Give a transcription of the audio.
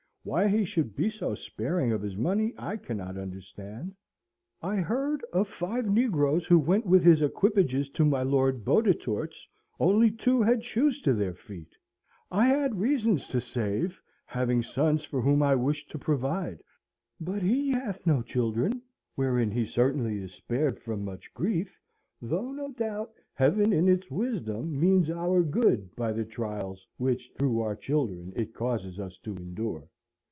Why he should be so sparing of his money I cannot understand: I heard, of five negroes who went with his equipages to my Lord Bottetourt's, only two had shoes to their feet. I had reasons to save, having sons for whom I wished to provide, but he hath no children, wherein he certainly is spared from much grief, though, no doubt, Heaven in its wisdom means our good by the trials which, through our children, it causes us to endure.